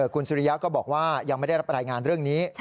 คุณสุริยะก็บอกว่ายังไม่ได้รับรายงานเรื่องนี้